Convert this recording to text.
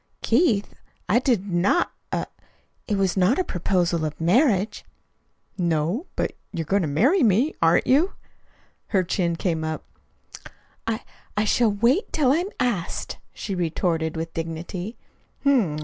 "Keith, I did NOT er it was not a proposal of marriage." "No? But you're going to marry me, aren't you?" Her chin came up. "I I shall wait till I'm asked," she retorted with dignity.